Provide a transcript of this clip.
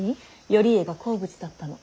頼家が好物だったの。